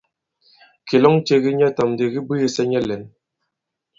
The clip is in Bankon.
Kìlɔŋ ce ki nyɛtām ndi ki bwêsɛ nyɛ lɛ̌n.